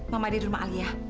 mama ada di rumah ali ya